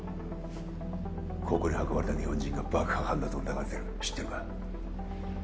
ここに運ばれた日本人が爆破犯だと疑われてる知ってるか？